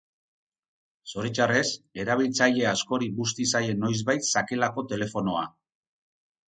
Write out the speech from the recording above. Zoritxarrez, erabiltzaile askori busti zaie noizbait sakelako telefonoa.